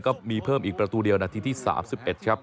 ก็มีเพิ่มอีกประตูเดียวนาทีที่๓๑ครับ